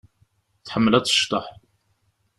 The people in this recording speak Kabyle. Tḥemmel ad tecḍeḥ.